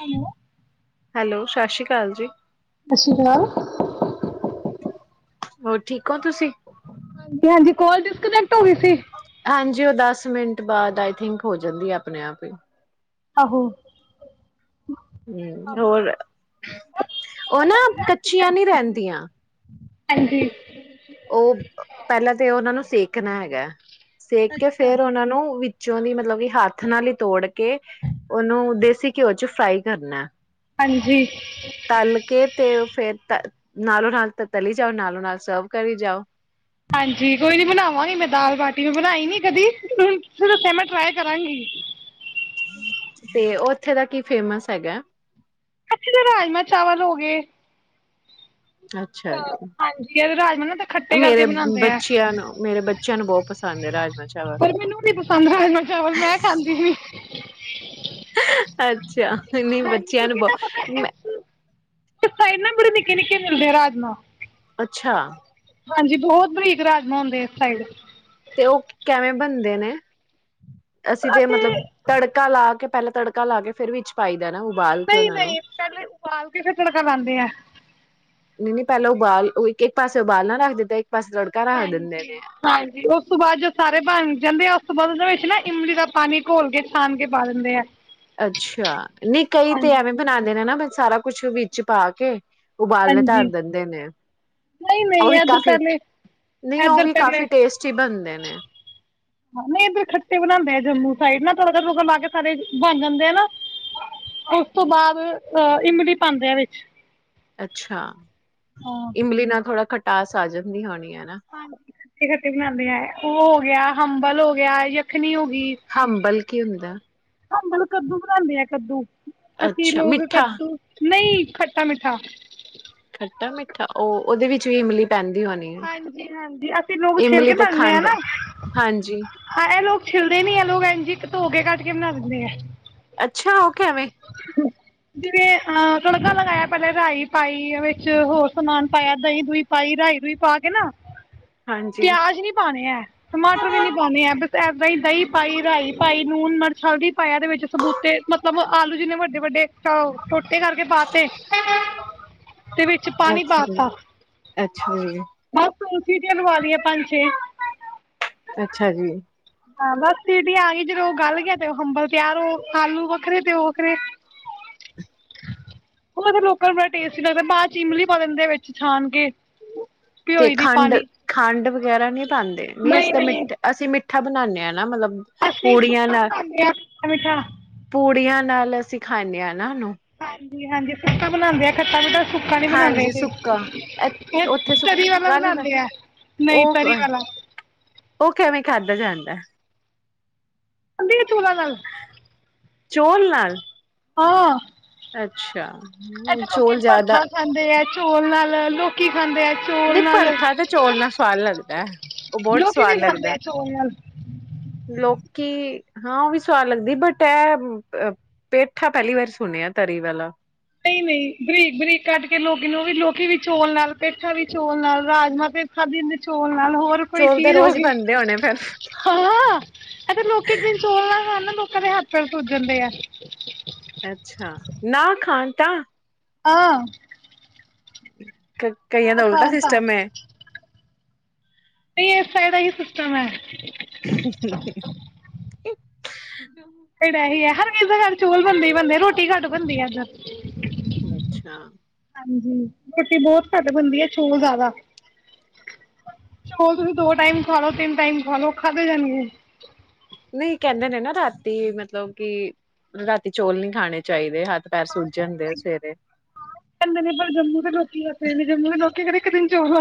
Hello hello ਸਤਿ ਸ਼੍ਰੀ ਅਕਾਲ ਜੀ ਸਤਿ ਸ੍ਰੀ ਅਕਾਲ ਹੋਰ ਠੀਕ ਕੌਣ ਤੁਸੀਂ ਹਾਂਜੀ ਹਾਂਜੀ ਕੋਲ ਡਿਸਕਨੈਕਟ ਹੋ ਗਈ ਸੀ। ਹਾਂਜੀ ਉਹ ਦਸ ਮਿੰਟ ਬਾਅਦ ਆਈ ਥਿੰਕ ਹੋ ਜਾਂਦੀ ਆ ਆਪਣੇ ਆਪ ਹੀ ਆਹੋ ਹਮ ਹੋਰ ਉਹ ਨਾ ਕੱਚੀਆਂ ਨੀ ਰਹਿੰਦੀਆਂ ਹਾਂਜੀ ਉਹ ਪਹਿਲਾਂ ਤਾਂ ਉਹਨਾਂ ਨੂੰ ਸੇਕ ਚ ਕਰਨਾ ਹੈਗਾ ਸੇਕ ਕੇ ਫੇਰ ਉਹਨਾ ਨੂੰ ਵਿੱਚ ਚ ਉਹਦੀ ਮਤਲਬ ਕਿ ਹੱਥ ਨਾਲ ਹੀ ਤੋੜ ਕੇ ਉਹਨੂੰ ਦੇਸੀ ਘਿਓ ਚ ਫਰਾਈ ਕਰਨਾ ਹਾਂਜੀ ਤਲ ਕੇ ਤੇ ਫੇਿਰ ਤ ਨ ਨਾਲੋਂ ਨਾਲ ਤ ਤਲੀ ਜਾਓ ਨ ਨਾਲੋਂ ਨਾਲ ਸਰਵ ਕਰੀ ਜਾਓ ਹਾਂਜੀ ਕੋਈ ਨੀ ਬਣਾਵਾਂਗੀ ਮੈਂ ਦਾਲ ਬਾਟੀ ਮੈਂ ਬਣਾਈ ਨੀ ਕਦੀਣ ਤੁ ਦੱਸਿਆ ਮੈਂ ਟ੍ਰਈ ਕਰਾਂਗੀ ਤੇ ਉੱਥੇ ਦਾ ਕੀ ਫੇਮਸ ਹੈਗਾ ਅੱਛੇ ਰਾਜਮਾ ਚਾਵਲ ਹੋ ਗਏ [unintelligible] ਹਾਂਜੀ ਰਾਜਮਾਂ ਨਾ ਤਾਂ ਖੱਟੇ ਕਰਕੇ ਬਣਾਉਂਦੇ ਆ ਬੱਚਿਆਂ ਨੂੰ ਬਹੁਤ ਪਸੰਦ ਹੈ ਰਾਜਮਾ [unintelligible] [unintelligible] [unintelligible] ਅੱਛਾ ਹਾਂਜੀ ਕਿਉਂਕਿ ਨਾ ਪਤਾ [unintelligible] ਇਸ [unintelligible] ਅੱਛਾ ਹਾਂਜੀ ਬਹੁਤ ਬਰੀਕ ਰਾਜਮ ਹੁੰਦੇ ਇਸ ਸਾਈਡ ਤੇ ਉਹ ਕੈਂਵੇ ਬਣਦੇ ਨੇ ਅਸੀਂ ਤੇ ਮਤਲਬ ਤੜਕਾ ਲਾ ਕੇ ਪਹਿਲੇ ਤੜਕਾ ਲਾ ਕੇ ਫਿਰ ਵਿੱਚ ਪਾਈ [unintelligible] ਨਾ ਉਬਾਲ ਕੇ ਨਹੀਂ ਉਹਨਾਂ ਨੂੰ ਨਹੀਂ ਪਹਿਲੇ ਉਬਾਲ ਕੇ ਫਿਰ ਤੜਕਾ ਲਾਉਂਦੇ ਆ ਨਹੀਂ ਨਹੀਂ ਪਹਿਲਾਂ ਉਬਾਲ ਲੋ ਇੱਕ ਇੱਕ ਪਾਸੇ ਉਬਾਲਨਾ ਰੱਖ ਦਿੱਤਾ ਪਾਸੇ ਤੜਕਾ [unintelligible] ਰੱਖ ਦਿੰਦੇ ਨੇ ਹਾਂਜੀ ਉਸ ਤੋਂ ਬਾਅਦ ਜੋ ਸਾਰੇ ਬਣ ਜਾਂਦੇ ਆ [unintelligible] ਇਮਲੀ ਦਾ ਪਾਣੀ ਘੋਲ ਕੇ ਛਾਾਨ ਕੇ ਪਾ ਦਿੰਦੇ ਆ ਅੱਛਾ ਨਹੀ ਕਈ ਤੇ ਐਵੇਂ ਬਣਾਂਦੇ ਨੇ ਨਾ ਸਾਰਾ ਕੁਛ ਵਿੱਚ ਪਾ ਕੇ ਉਬਾਲਣੇ ਧਰ ਹਾਂਜੀ ਦਿੰਦੇ ਨੇ ਨਹੀਂ ਉਹ ਨਹੀਂ ਵੀ ਇਧਰ ਕਾਫੀ ਪਹਿਲੇ ਨਹੀਂ ਉਹ ਇਧਰ ਵੀ ਪਹਿਲੇ ਕਾਫੀ ਟੇਸਟੀ ਬਣਦੇ ਨੇ ਨਹੀਂ ਇਧਰ ਖੱਟੇ ਬਣਾਂਦੇ ਆ ਜੰਮੂ [unintelligible] ਲਾ ਕੇ ਸਾਰੇ ਬਣ ਜਾਂਦੇ ਆ ਨਾ ਉਸ ਤੋਂ ਬਾਅਦ ਅਹ ਇਮਲੀ ਪਾਉਂਦੇ ਆ ਵਿਚ ਅੱਛਾ ਇਮਲੀ ਨਾ ਥੋੜਾ ਖੱਟ [unintelligible] [unintelligible] ਉਹ ਹੋ ਗਿਆ ਹੰਬਲ ਹੋ ਗਿਆ ਯਖਣੀ ਹੋ ਗਈ ਹੰਬਲ ਕੀ ਹੁੰਦਾ ਹੰਬਲ ਕੱਦੂ ਬਣਾਂਦੇ ਆ ਕੱਦੂ ਅਸੀ ਅੱਛਾ ਲੋਗ ਮਿੱਠਾ ਕੱਦੂ ਨਹੀ ਖੱਟਾ ਮਿੱਠਾ ਖੱਟਾ ਮਿੱਠਾ ਉਹ ਉਹਦੇ ਵਿੱਚ ਵੀ ਮਿਲੀ ਹਾਂਜੀ ਹਾਂਜੀ ਅਸੀਂ ਲੋਗ ਸ਼ਿਲ ਇਮਲੀ ਕੇ ਤੇ ਬਣਾਂਦੇ ਆ ਖੰਡ ਨਾ ਹਾਂਜੀ ਹਾਂ ਇਹ ਲੋਗ ਛਿਲਦੇ ਨੀ ਇਹ ਲੋਗ [unintelligible] [unintelligible] ਅੱਛਾ ਉਹ ਕੈਵੇ ਜਿਵੇਂ ਅਹ ਤੜਕਾ ਲਗਾਇਆ ਪਹਿਲੇ ਰਾਈ ਪਾਈ ਵਿਚ ਹੋਰ ਸਮਾਨ ਪਾਇਆ ਦਹੀਂ, ਦਹੀਂ ਪਾਈ ਰਾਈ ਰੂਈ ਪਾ ਕੇ ਨਾ ਹਾਂਜੀ ਪਿਆਜ ਨੀ ਪਾਣੇ ਹੈ ਟਮਾਟਰ ਵੀ ਨੀ ਇਦਾਂ ਹੀ ਦਹੀਂ ਪਾਈ, ਰਾਈ ਪਾਈ, ਲੂਣ, ਮਿਰਚ, ਹਲਦੀ ਪਾਇਆ ਇਹਦੇ ਵਿੱਚ ਸਬੂਤੇ ਮਤਲਬ ਆਲੂ ਜਿੰਨੇ ਵੱਡੇ ਵੱਡੇ ਚੌ ਛੋਟੇ ਕਰਕੇ ਪਾਤੇ ਦਿਤੇ ਤੇ ਵਿੱਚ ਪਾਣੀ ਅੱਛਾ ਜੀ ਪਾਤਾ। ਅੱਛਾ ਜੀ, ਤੁਰਸੀ ਦੀਆਂ ਲਵਾ ਲਈਏ ਪੰਜ ਛੇ ਅੱਛਾ ਜੀ, ਹਾਂ ਬਸ ਸੀਟੀ ਆ ਗਈ ਜਦੋਂ ਉਹ ਗਲ ਗਿਆ ਤੇ ਉਹ ਹੰਬਲ ਤਿਆਰ ਉਹ ਆਲੂ ਵੱਖਰੇ ਤੇ ਉਹ ਵੱਖਰੇ ਉਹ ਲੋਕਾਂ ਨੂੰ ਬੜਾ ਟੇਸਟੀ ਲੱਗਦਾ ਬਾਅਦ ਚ ਇਮਲੀ ਪਾ ਦਿੰਦੇ ਵਿੱਚ ਛਾਨ ਕੇ ਤੇ ਭਿਓਈ ਦੀ ਪਾਣੀ ਖੰਡ-ਖੰਡ ਵਗੈਰਾ ਨੀ ਪਾਂਦੇ ਨੀ ਅਸੀਂ ਤਾਂ ਮਿੱ ਅਸੀਂ ਮਿੱਠ ਮਿਠਾ ਬਣਾਂਣੇ ਆਂ। ਮਤਲਬ ਅਸੀਂ ਪੂੜੀਆਂ ਸੁੱਕਾ ਨਾਲ ਬਣਾਉਂਦੇ ਆ ਖੱਟਾ ਮਿੱਠਾ ਪੂੜੀਆਂ ਨਾਲ ਅਸੀਂ ਖਾਂਦੇ ਹਾਂ। ਨਾ ਨੂੰ ਹਾਂਜੀ- ਹਾਂਜੀ ਫੁਟਕਾ ਬਣਾਉਂਦੇ ਆ ਖੱਟਾ ਨੂੰ ਦੱਸ ਹਾਂਜੀ ਸੁੱਕਾ ਇਹ ਉੱਥੇ ਸੁੱਕ ਤਰੀ ਵਾਲਾ ਕਹੀ ਮੈਂ ਬਣਾਉਂਦੇ ਆ ਨਹੀਂ ਉਹ ਤਰੀ ਵਾਲਾ ਉਹ ਕਿਵੇਂ ਖਾਧਾ ਜਾਂਦਾ। ਖਾਂਦੇ ਆ ਚੋਲਾਂ ਨਾਲ ਚੋਲ ਨਾਲ ਹਾਂ, ਅੱਛਾ, ਇੱਥੇ ਲੋਕੀ ਚੋਲ ਜ਼ਿਆਦਾ ਭਰਥਾ ਖਾਂਦੇ ਆ ਚੋਲ ਨਾਲ ਲੋਕੀ ਖਾਂਦੇ ਐ। ਨਹੀਂ ਭਰਥਾ ਤੇ ਚੌਲ ਨਾਲ ਸਵਾਦ ਲੱਗਦਾ, ਉਹ ਬਹੁਤ ਲੋਕੀ ਸਵਾਦ ਵੀ ਖਾਂਦੇ ਲੱਗਦਾ ਆ ਚੋਲ ਨਾਲ ਲੋਕ ਕਿ ਹਾਂ ਉਹ ਵੀ ਸਵਾਦ ਲੱਗਦੀ ਐ, ਬਟ ਇਹ ਪੇਠਾ ਪਹਿਲੀ ਵਾਰ ਸੁਣਿਆ ਤਰੀ ਵਾਲਾ ਨਹੀਂ-ਨਹੀਂ, ਬਰੀਕ- ਬਰੀਕ ਕੱਢ ਕੇ ਲੋਕੀ ਨੂੰ ਉਹ ਵੀ ਲੋਕੀ ਵੀ ਚੋਲ ਨਾਲ ਪੇਠਾ ਵੀ ਚੋਲ ਨਾਲ ਰਾਜਮਾਂ ਪੇਠਾ ਵੀ ਚੋਲ ਨਾਲ ਨਾਲ ਹੋਰ ਕੋਈ ਚੌਲ ਤੇ ਚੀਜ਼ ਰੋਜ਼ ਹੀ ਹੋਈ ਬਣਦੇ ਹੋਣੇ ਫਿਰ ਹਾਂ ਐ ਤਾਂ ਲੋਕ ਇੱਕ ਦਿਨ ਚੋਲ ਨਾਲ ਹਨ। ਕਦੇ ਹੱਥ ਪੈਰ ਸੁਜ ਜਾਂਦੇ ਐ। ਅੱਛਾ ਨਾ ਖਾਣ ਤਾਂ ਆਹ, [unintelligible] ਕਈਆਂ ਦਾ ਉਲਟਾ ਤਾਂ ਸਿਸਟਮ ਐ। ਨਹੀਂ ਇਸ ਸਾਈਡ ਦਾ ਇਹੀ ਸਿਸਟਮ ਹੈ। [unintelligible] ਜ [inaudible] ਕਿਹੜਾ ਹੀ ਹੈ ਹਰ ਕਿਸ ਘਰ ਚੋਲ ਬਣਦੇ ਹੀ ਬਣਦੇ ਰੋਟੀ ਘੱਟ ਬਣਦੀ ਆ ਇੱਧਰ ਅੱਛਾ, ਹਾਂਜੀ ਰੋਟੀ ਬਹੁਤ ਘੱਟ ਬਣਦੀ ਆ ਚੋਲ ਜ਼ਿਆਦਾ ਚੋਲ ਤੁਸੀਂ ਦੋ ਟਾਈਮ ਖਾ ਲੋ ਤਿੰਨ ਟਮ ਖਾ ਲੋ ਖਾਧਦੇ ਜਾਣ ਗੇ ਨਹੀਂ ਕਹਿੰਦੇ ਨੇ ਨਾ ਰਾਤੀ ਮਤਲਬ ਕਿ ਰਾਤੀ ਚੌਲ ਨਹੀਂੀ ਖਾਣੇ ਚਾਹੀਦੇ ਹੱਥ ਪੈਰ ਸੁੱਜ ਜਾਂਦੇ ਆ ਸਵੇਰੇ ਦੇ ਨੇ ਪਰ ਜੰਮੂ ਦੇ ਲੋਕੀ ਦਸੇ ਨੇ ਜੰਮੂ ਦੇ ਲੋਕੀ ਘਰੇ ਦਿਨ ਚੋਲ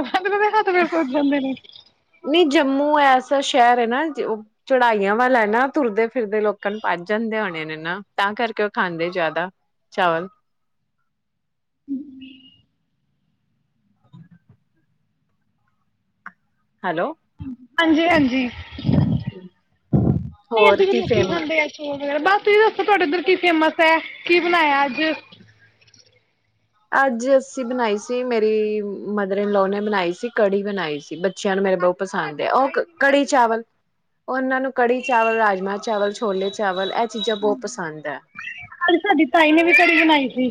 ਨਹੀਂ ਜੰਮੂ ਐਸਾ ਸ਼ਹਿਰ ਹੈ ਨਾ ਉਹ ਚੜਾਈਆਂ ਵੱਲ ਨਾ ਤੁਰਦੇ ਫਿਰਦੇ ਲੋਕਾਂ ਨੂੰ ਭੱ ਜਾਂਦੇ ਹੋਣੇ ਨੇ ਨਾ ਤਾਂ ਕਰਕੇ ਉਹ ਖਾਂਦੇ ਜ਼ਿਆਦਾ ਚਾਵਲ ਹੈਲੋ ਹਾਂਜੀ ਹਾਂਜੀ ਨਹੀਂ ਏਦ ਹੋਰ ਦੇ ਕੀ ਲੋਕੀ ਫੇਮ ਖਾਂਦੇ ਆ ਚੋਲ ਬਸ ਤੁਸੀਂ ਦੱਸੋ ਤੁਹਾਡੇ ਇੱਧਰ ਕੀ ਫੇਮਸ ਹੈ ਕੀ ਬਣਾਇਆ ਅੱਜ ਅੱਜ ਅੱਸੀ ਬਣਾਈ ਸੀ ਮੇਰੀ ਮਦਰ ਇਨਲੋ ਨੇ ਬਣਾਈ ਸੀ ਕੜੀ ਬਣਾਈ ਸੀ ਬੱਚਿਆਂ ਨੂੰ ਮੇਰੇ ਬਹੁਤ ਪਸੰਦ ਸਾਡੀ ਉਹ ਤਾਈ ਨੇ ਅੱਜ ਕੜੀ ਚਾਵਲ ਉਹ ਉਹਨਾਂ ਨੂੰ ਕੜੀ ਚਾਵਲ ਰਾਜਮਾ ਚਾਵਲ ਛੋਲੇ ਚਾਵਲ ਇਹ ਚੀਜ਼ਾਂ ਬਹੁਤ ਪਸੰਦ ਹੈ ਅੱਜ ਸਾਡੀ ਤਾਈ ਨੇ ਵੀ ਕੜੀ ਬਣਾਈ ਸੀ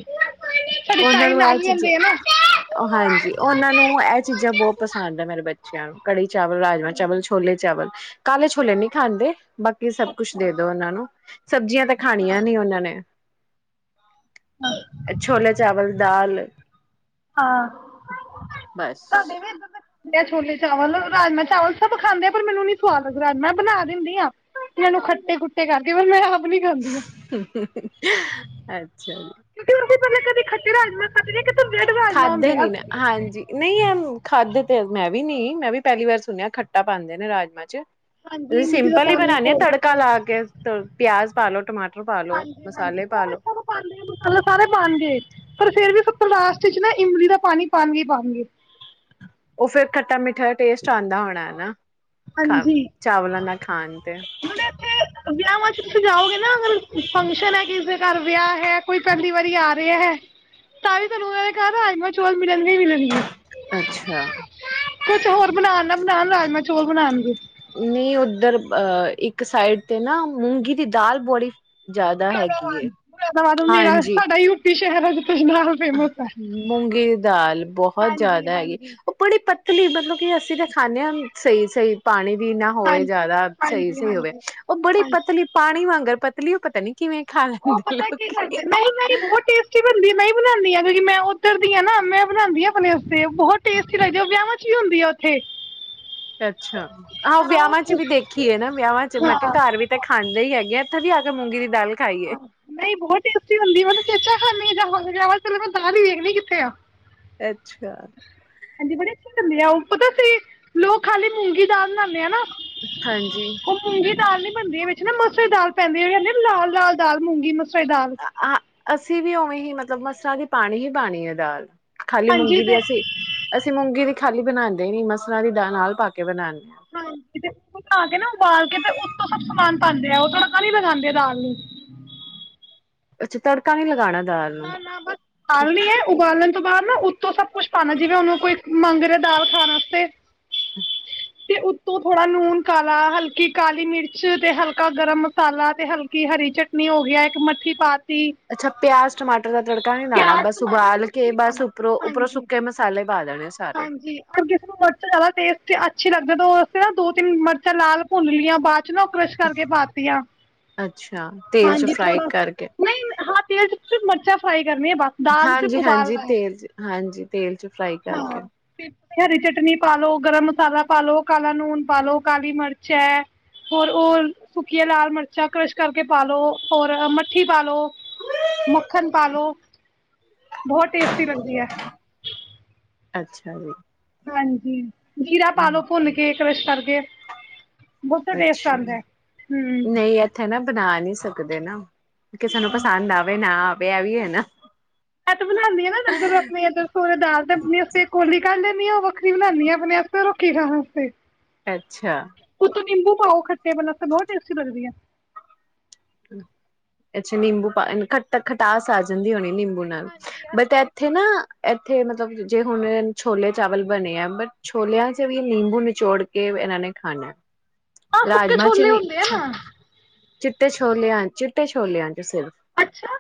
ਸਾਡੀ ਉਹਨਾਂ ਤਾਈ ਨੂੰ ਇਹ ਨਾਲ ਹੀ ਰਹਿੰਦੇ ਆ ਨਾ ਚੀਜ਼ਾਂ ਹਾਂਜੀ ਉਹਨਾਂ ਨੂੰ ਇਹ ਚੀਜ਼ਾਂ ਬਹੁਤ ਪਸੰਦ ਆ ਮੇਰੇ ਬੱਚਿਆਂ ਨੂੰ ਕੜੀ ਚਾਵਲ ਰਾਜਮਾਂ ਚਾਵਲ ਛੋਲੇ ਚਾਵਲ ਕਾਲੇ ਛੋਲੇ ਨੀ ਖਾਂਦੇ ਬਾਕੀ ਸਭ ਕੁਛ ਦੇ ਦੋ ਉਹਨਾਂ ਨੂੰ ਸਬਜ਼ੀਆਂ ਤਾਂ ਖਾਣੀਆਂ ਨੀ ਉਹਨਾਂ ਨੇ ਅਛੋਲਾ ਚਾਵਲ ਦਾਲ ਹਾਂ ਬਸ ਛਲੇ ਚਾਵਲ ਰਾਜਮਾਂ ਚਾਵਲ ਸਭ ਖਾਂਦੇ ਆ ਪਰ ਮੈਨੂੰ ਨੀ ਸਵਾਦ ਲੱਦਾ ਰਾਜਮਾਂ ਬਣਾ ਦਿੰਦੀ ਆਾਂ ਮੈਨੂੰ ਖੱਟੇ ਖੁੱਟੇ ਕਰਕੇ ਮੈਂ ਨੀ ਖਾਂਦੀ ਆ [unintelligible] ਅੱਛਾ ਜੀ ਕਿਉਂਕਿ ਪਹਿਕੇ ਕਦੇ ਖੱਟੇ ਰਾਜਾ ਖਾਦੇ ਨੀ ਖਾਧੇ ਨੀ ਨਾ ਹਾਂਜੀ ਨਹੀਂ ਐ ਖਾਧੇ ਤੇ ਮੈਂ ਵੀ ਨੀ ਮੈਂ ਵੀ ਪਹਿਲੀ ਵਾਰ ਸੁਣਿਆ ਖੱਟਾ ਪਾਉਂਦੇ ਨੇ ਰਾਜਮਾਂ ਚ ਸੀਂ ਹਾਂਜੀ ਇਮਲੀ ਦਾ ਸਿੰਪਲ ਹੀ ਪਾਣੀ ਬਣਾਨੇ ਆ ਘੋਲ ਕੇ ਤੜਕਾ ਲਾ ਕੇ ਪਿਆਜ ਪਾਾਲ ਲੋੋ ਟਮਟਰ ਹਾਂਜੀ ਹਾਂਜੀ ਉਹ ਇ ਪਾਦੇ ਮਸਲੈ ਸਾਰੇ ਪਾਣਗੇ ਪਰ ਫੇਰ ਵੀ ਲਾਸਟ ਚ ਨਾ ਇਮਲੀ ਦਾ ਪਾਣੀ ਪਾਉਣਗੇ ਪਾਉਣਗੇ ਉਹ ਫੇਿਰ ਖੱਟਾ ਮਿੱਠਾ ਟੇਸਟ ਆਉਂਦਾ ਹੋਣਾ ਹਨਾ ਖਾ ਚਾਵਲਾਂ ਨਾ ਖਣ ੇ ਇੱਥੇ ਵਿਆਹਾਂ ਚ ਤੁਸੀਂ ਜਾਓਗੇ ਨਾ ਅਗ ਫੰਕਸ਼ਨ ਹੈ ਕਿਸ ਦੇ ਘਰ ਵਿਆਹ ਹੈ ਕੋਈ ਪਹਿਲੀ ਵਾਰੀ ਆ ਰਿਹਾ ਹੈ ਤਾਂ ਵੀ ਤੁਹਾਨੂੰ ਉਹਨਾਂ ਦੇ ਘਰ ਰਾਜਮਾ ਚੌਲ ਮਿਲਣਗੇ ਮਿਲਣਗੇ। ਅੱਛਾ, ਕੁਛ ਹੋਰ ਬਨਾਣ ਨਾ ਬਨਾਣ, ਰਾਜਮਾਂ ਚੌਲ ਬਨਾਣਗੇ। ਨਹੀਂ ਉੱਧਰ ਅਹ, ਇੱਕ ਸਾਈਡ ਤੇ ਨਾ ਮੂੰਗੀ ਦੀ ਦਾਲ ਬੜੀ ਜ਼ਿਆਦਾ ਹੈਗੀ ਏ। ਮੁਰਾਦਾਬਾਦ, ਮੁਰਾਦਾਬਾਦ। ਮੇਰਾ ਸਾਡਾ ਯੂਪੀ ਸ਼ਹਿਰ ਹੈ ਜਿੱਥੇ ਨਾਲ। ਫੇਮਸ ਹੈ ਮੂੰਗੇ ਦੀ ਦਾਲ, ਬਹੁਤ ਜ਼ਿਆਦਾ ਹੈਗੀ। ਉਹ ਬੜੀ ਪਤਲੀ, ਮਤਲਬ ਕਿ ਅਸੀਂ ਤਾਂ ਖਾਂਦੇ ਆਂ, ਸਹੀ ਸਹੀ ਪਾਣੀ ਵੀ ਨਾ ਹੋਵੇ ਜਿਆਦਾ, ਸਹੀ ਸਹੀ ਹੋਵੇ। ਉਹ ਬੜੀ ਪਤਲੀ ਪਾਣੀ ਵਾਂਗਰ ਪਤਲੀ ਉਹ ਪਤਾ ਨੀ ਕਿਵੇਂ ਖਾ ਉਹ ਲੈਂਦੇ ਪਤਾ ਕੀ ਲੋਕੀ। ਕਰਦੇ, ਨਹੀਂ ਨਹੀਂ ਬਹੁਤ ਟੇਸਟੀ ਬਨ ਦੀ, ਮੈਂ ਈ‌ ਬਣਾਦੀ‌ ਆਂ। ਕਿਉਂਕਿ ਮੈਂ ਓਧਰ ਦੀ ਆ ਨਾ, ਮੈਂ ਬਣਾਦੀ‌ ਆਂ ਆਪਣੇ ਤੇ ਓਹ ਬਹੁਤ ਟੇਸਟੀ ਲਗਦੀ। ਓਹ ਵਿਆਂਵਾਂ‌ ਚ। ਚ ਐ ਹੁੰਦੀ ਆ ਉੱਥੇ। ਅੱਛਾ ਆਹੋ ਵਿਆਵਾਂ ਚ ਵੀ ਦੇਖੀ ਏ ਨਾ ਵਿਆਵਾਂ ਚ ਮੈਂ ਹਾਂ ਕਿਹਾ ਘਰ ਵੀ ਤਾਂ ਖਾਂਦੇ ਈ ਹੈਗੇ ਆ ਉੱਥੇ ਵੀ ਹੈਗਾ ਐ ਮੂੰਗੀ ਦੀ ਦਾਲ ਖਾਈਏ। ਨਹੀਂ ਬਹੁਤ ਟੇਸਟੀ ਹੁੰਦੀ, ਮੈਂ ਤਾਂ ਚੇਚਾ ਖਾਂਨੀ ਜਾ ਜਾਕੇ। [unintelligible] ਚੱਲੇ ਮੈਂ ਦਾਲ ਈ ਵੇਖਣੀ ਕਿੱਥੇ ਆ। ਅੱਛਾ। ਹਾਂਜੀ ਬੜੇ ਅੱਛੇ ਲਗਦੇ ਆ ਉਹ, ਪਤਾ ਅਸੀਂ ਲੋਕ ਖਾਲੀ ਮੂੰਗੀ ਦਾਲ ਬਣਾਦੇ ਆ ਨਾ। ਹਾਂਜੀ। ਉਹ ਮੂੰਗੀ ਦਾਲ ਨੀ ਬਣਦੀ, ਵਿੱਚ ਨਾ ਮਸਰੀ ਦਾਲ ਪੈਂਦੀ ਐ। ਕੇਂਦੇ ਲਾਲ ਲਾਲ ਦਾਲ ਮੂੰਗੀ ਮਸਰਾਂ ਦੀ ਦਾਲ। ਆ ਅਸੀਂ ਵੀ ਉਵੇਂ ਹੀ ਮਤਲਬ ਮਸਰਾਂ ਦੀ ਪਾਣੀ ਹੀ ਪਾਣੀ ਐ ਦਾਲ। ਖਾਲੀ ਹਾਂਜੀ ਮੂੰਗੀ ਤੇ ਦੀ ਅਸੀਂ, ਅਸੀਂ ਮੂੰਗੀ ਦੀ ਖਾਲੀ ਬਣਾਦੇ ਈ ਨੀ ਮਸਰਾਂ ਦੀ ਦਾ ਨਾਲ ਪਾ ਕੇ ਬਣਾਨ ਹਾਂਜੀ ਤੇ, ਉਹ ਬਣਾ ਕੇ ਨਾ, ਉਬਾਲ ਕੇ ਤੇ ਉਤੋਂ ਸਭ ਸਮਾਨ ਪਾਂਦੇ ਆ ਉਹ, ਤੜਕਾ ਨੀ ਲਗਾਂਦੇ ਦਾਲ ਨੂੰ। ਅੱਛਾ ਤੜਕਾ ਨੀ ਲਗਾਣਾ ਨਾ ਨਾ ਬਸ ਖਾਲੀ ਐ ਉਬਾਲਣ ਤੋਂ ਬਾਅਦ ਨਾ ਉੱਤੋਂ ਸਭ ਕੁਛ ਪਾਣਾ, ਜਿਵੇਂ ਹੁਣ ਓ ਕੋਈ ਮੰਗ ਰਿਹਾ ਦਾਲ ਖਾਣ ਆਸਤੇ ਹਮ। ਤੇ ਉੱਤੋਂ ਥੋੜਾ ਲੂਨ ਕਾਲਾ, ਹਲਕੀ ਕਾਲੀ ਮਿਰਚ ਤੇ ਹਲਕਾ ਗਰਮ ਮਸਾਲਾ ਤੇ ਹਲਕੀ ਹਰੀ ਚਟਨੀ ਹੋ ਗਿਆ। ਇੱਕ ਮੱਠੀ ਪਾਤ ਅੱਛਾ ਪਿਆਜ਼ ਟਮਾਟ ਦਾ ਤੜਕਾ ਨੀ ਲਾਣਾ, ਬਸ ਉਬਾਲ ਕੇ, ਬਸ ਉੱਪਰੋਂ ਉੱਪਰੋਂ ਸੁੱਕੇ ਮਸਾਲੇ ਪਾ ਦੇਣੇ ਸਾਰੇ ਹਾਂਜੀ ਕਿਸੇ ਨੂੰ ਮਰਚ ਜ਼ਿਆਦਾ ਟੇਸਟੀ ਅੱਛੀ ਲੱਗ ਜਦੋਂ ਅਸੀਂ ਨਾ ਦੋ ਤਿੰਨ ਮਿਰਚਾਂ ਲਾਲ ਭੁੰਨ ਲਈਆਂ ਬਾਅਦ ਨ ਕਰੈਸ਼ ਕਰ ਕੇ ਪਾ ਤੀਆਂ ਅੱਛਾ ਤੇਲ ਚ ਹਾਂਜੀ ਫਰਾਈ ਥੋੜਾ ਕਰਕੇ ਨਹੀਂ ਤੇਲ ਚ ਸਿਰਫ਼ ਮਰਚਾ ਫਰਾਈ ਕਰਨੀ ਹੈ ਬਸ ਦਾਲ ਸਿਰਫ ਹਾਂਜੀ ਹਾਂਜੀ ਉਬਾਲਣਾ ਹੈ ਤੇਲ ਚ ਹਾਂਜੀ ਤੇਲ ਚ ਫਰਾਈ ਕਰਕੇ ਹਰੀ ਚਟਨੀ ਪਾ ਲੋ ਗਰਮ ਮਸਾਲਾ ਪਾ ਲੋ ਕਾਲਾ ਨੂਨ ਪਾ ਲੋ ਕਾਲੀ ਮਿਰਚ ਹੈ ਹੋਰ ਉਹ ਸੁੱਕੀਆਂ ਲਾਲ ਮਿਰਚਾਂ ਕਰਸ਼ ਕਰਕੇ ਪਾਲੋ ਹੋਰ ਮੱਠੀ ਪਾਲੋ ਮੱਖਣ ਪਾਲੋ ਬਹੁਤ ਟੇਸਟੀ ਲਗਦੀ ਹੈ। ਅੱਛਾ ਜੀ ਹਾਂਜੀ ਜੀਰਾ ਪਾਲੋ ਭੁੰਨ ਕੇ ਕ੍ਰਸ਼ ਕਰਕੇ ਬਹੁਤਾ ਟੇਸਟ ਅੱਛਾ ਆਉਂਦਾ ਹਮ ਨਹੀਂ ਇੱਥੇ ਨਾ ਬਣਾ ਨਹੀਂ ਸਕਦੇ ਨਾ ਕਿਸੇ ਨੂੰ ਪਸੰਦ ਆਵੇ ਨਾ ਆਵੇ ਇਹ ਵੀ ਹੈ ਨਾ ਐ ਤੇ ਬਣਾਉਦੀ ਹਾਂ ਨਾ ਲੰਗਰ ਵਾਸਤੇ ਸੋਰੇ ਦਾਲ ਤੇ ਆਪਣੇ ਵਾਸਤੇ ਕੋਲੀ ਕੱਢਦੇ ਨੀ ਉਹ ਵਖ ਵੱਖਰੀ ਬਣਾਉਂਦੀ ਆਪਣੇ ਵਾਸਤੇ ਕੀ ਖਾਣ ਵਾਸਤੇ ਅੱਛਾ ਉੱਤੋਂ ਨਿੰਬੂ ਪਾਓ ਖੱਟੇ ਵਾਲਾ ਵਾਸਤੇ, ਬਹੁਤ ਟੇਸਟੀ ਲੱਗਦੀ ਆ [inaudible] ਅੱਛਾ ਨਿੰਬੂ ਪਾਏ ਖਟਾਸ ਆ ਜਾਂਦੀ ਹੋਣੀ ਏ ਨਿੰਬੂ [unintelligible] ਨਾਲ ਬਟ ਇੱਥੇ ਨਾ ੱਥੇ ਮਤਲਬ ਜੇ ਹੁਣ ਛੋਲੇ ਚਾਵਲ ਬਣੇ ਆ ਬਟ ਛੋਲਿਆਂ ਚ ਵੀ ਨਿੰਬੂ ਨਿਚੋੜ ਕੇ ਇਹਨਾਂ ਨੇ ਖਾਣੇ ਆਹ ਸੁੱਕੇ ਰਾਜਮਾ ਛੋਲੇ ਹੁੰਦੇ ਆ ਚਨੇਚਛਾ ਨਾ, ਛੋਲਿਆਂਹਨ ਚਿੱਟੇ ਛੋਲਿਆਂ ਹਨ ਸਿਰ ਅੱਛਾ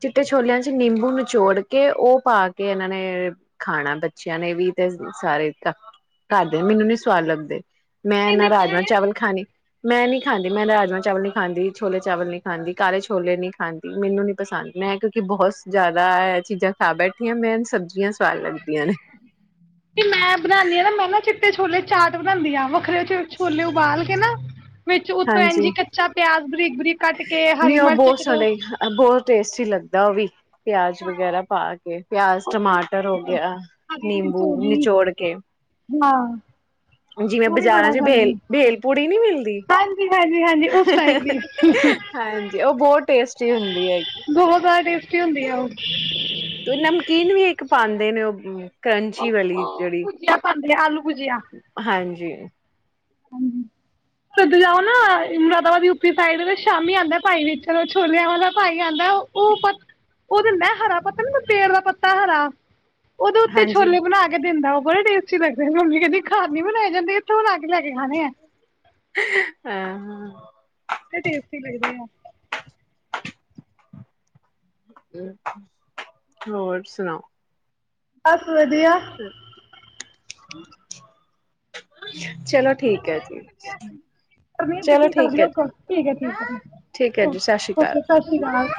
ਚਿੱਟੇ ਛੋਲਿਆਂ ਚ ਨਿੰਬੂ ਨਚੋੜ ਕੇ ਉਹ ਪਾ ਕੇ ਇਹਨਾਂ ਨੇ ਖਾਣਾ ਬੱਚਿਆਂ ਨੇ ਵੀ ਤੇ, ਸਾਰੇ ਕਰਦੇ ਨੇ ਮੈਨੂੰ ਨੀ ਸਵਾਦ ਲੱਗਦੇ। ਮੈਂ ਨਾ ਰਾਜਮ ਚਾਵਲ ਖਾਣੇ ਮੈਂ ਨੀ ਖਾਂਦੀ, ਮੈਂ ਰਾਜਾ ਚਾਵਲ ਨੀ ਹਾਂਜੀ, ਛੋਲੇ ਚਾਵਲ ਨੀ ਖਾਂਦੀ ਕਾਲੇ ਛੋਲੇ ਨੀ ਖਾਂਦੀ ਮੈਨੂੰ ਨੀ ਪਸੰਦ ਮੈਂ ਕਿਉਂਕਿ ਬਹੁਤ ਜ਼ਿਆਦਾ ਏ ਚੀਜ਼ਾਂ ਖਾ ਬੈਠੀਆਂ ਮੈਂ ਸਬਜ਼ ਮੈਂ ਬਣਾਉਣ ਦੀ ਹਾ ਨਾ ਮੈਂ ਨਾ ਚਿੱਟੇ ਛੋਲੇ ਚਾਟ ਬਣਾਉਂਦੀ ਆ ਵੱਖਰੇ ਛੋਲੇ ਉਬਾਲ ਕੇ ਨਾ ਵਿੱਚ ਉਤ ਐਨ ਹਾਂਜੀ ਜੀ ਕੱਚਾ ਪਿਆਜ ਬਰੀਕ, ਬਰੀਕ ਕੱਟ ਕੇ ਨੀ ਹਰੀ ਉਹ ਮਿਰਚ ਇੱਕ ਦੋ ਦਾਂ ਵੀ ਪਿਆਜ ਵਗੈਰਾ ਪਾ ਕੇ ਪਿਆਜ ਬਹੁਤ ਟੇਸਟੀ ਟਮਾਟਰ ਹੋ ਲੱਗਦਾ ਗਿਆ, ਹਰੀ ਮਿਰਚ ਹੋ ਨਿੰਬੂ ਗਈ ਨਿਚੋੜ ਕੇ ਹਾਂ ਜਿਵੇਂ ਉਹ ਵੀ ਬਾਜ਼ਾਰਾਂ ਬੜਾ ਚ ਖਾਂਦੇ ਭੇਲ ਪੂੜੀ ਨੀ ਮਿਲਦੀ। ਹਾਂਜੀ, ਹਾਂਜੀ, ਹਾਂਜੀ ਉਸ ਟਾਈਪ ਦੀ ਹਾਂਜੀ ਉਹ ਬਹੁਤ ਟੇਸਟੀ ਹੁੰਦੀ ਹੈਗੀ। ਕੀ ਹੁੰਦੀ ਆ ਉਹ ਤੂੰਸੀ ਨਮਕੀਨ ਵੀ ਇੱਕ ਪਾਉਂਦੇ ਨੇ ਉਹ ਕਰੰਚੀ ਵਾਲੀ ਉਹ ਜਿਹੜੀ ਭੁਜੀਆ ਪਾਉਂਦੇ ਆ ਆਲੂ ਹਾਂਜੀ [inaudible] ਉਧਰ ਜਾਓ ਨਾ ਮੁਰਾਦਾਬ ਦੀ ਉ ਪੀ ਸਾਈਡ ਸ਼ਾਮੀ ਆਉਂਦਾ ਭਾਈ ਵਿੱਚ ਛੋਲਿਆਂ ਵਾਲ ਦਾ ਭਾਈ ਆਂਦਾ ਉਹ ਪ ਉਹ ਦਿੰਦਾ ਹਰਾ ਪਤਾ ਨ ਪੇੜ ਦਾ ਪੱਤਾ ਹਰਾ ਉਹਦੇ ਉੱਤੇ ਹਾਂਜੀ ਛੋਲੇ ਬਣਾ ਕੇ ਦਿੰਦਾ। ਉਹ ਬੜਾ ਅੱਛੇ ਲੱਗਦੇ ਨੇ, ਮੰਮੀ ਕਹਿੰਦੀ ਘਾਰ ਨੀ ਬਣਾ ਜਾਂਦੇ ਇਥੋ ਲੈ ਕੇ ਖਾਣੇ ਆ ਹਾਂ। ਤੇ ਟੇਸਟੀ ਲੱਗਦੇ ਐ ਹੋਰ ਸੁਣਾਓ। ਬ [unintelligible] ਹ [inaudible] ਬਦਲ ਗਿਆ ਏ ਪਰਮੀਤ ਚਲੋ ਤੁਸੀਂ ਕਰ ਠੀਕ ਹੈ ਲਿਓ ਠੀਕ ਹੈ ਠੀਕ ਹੈ, ਠੀਕ ਹੈ ਜੀ ਓਕੇ ਸ਼੍ਰੀ ਸਤਿ ਸ੍ਰੀ ਅਕਾਲ।